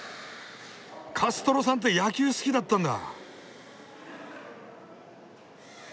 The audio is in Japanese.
カストロさんって野球好きだったんだ！